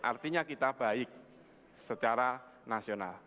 artinya kita baik secara nasional